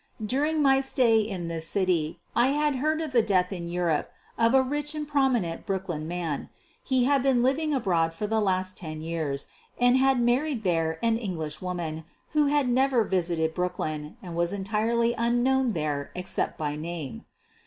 During my stay in this city I had heard of the death in Europe of a rich and prominent Brooklyn man. He had been living abroad for the last ten years and had married there an English woman 'who had never visited Brooklyn and was entirely unknown there except by name.